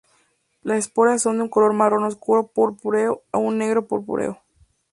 Las esporas son de un color marrón oscuro purpúreo a un negro purpúreo.